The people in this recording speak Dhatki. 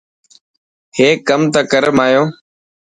هيڪ ڪم ته ڪر مايون.